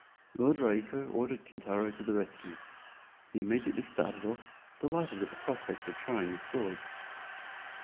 Lord Raiko ordered Kintaro to the rescue. He immediately started off, delighted at the prospect of trying his sword.